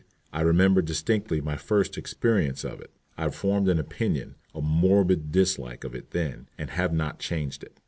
I remember distinctly my first experience of it. I formed an opinion, a morbid dislike of it then, and have not changed it.